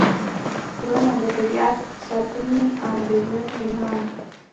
غرونه – د طبیعت ستنې او د ژوند الهام